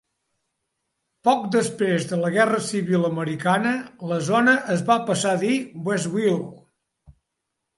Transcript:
Poc després de la Guerra Civil Americana, la zona es va passar a dir Westville.